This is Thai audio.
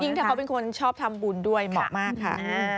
ถ้าเขาเป็นคนชอบทำบุญด้วยเหมาะมากค่ะ